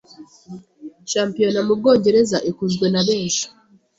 shampiona mu Bwongereza ikunzwe na benshi.